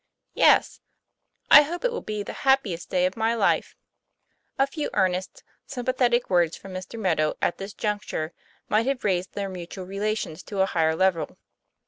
'Yes. I hope it will be the happiest day of my life. " A few earnest, sympathetic words from Mr. Meadow at this juncture might have raised their mutual relations to a higher level.